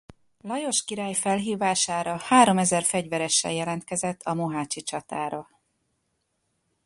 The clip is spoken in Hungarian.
Lajos király felhívására háromezer fegyveressel jelentkezett a mohácsi csatára.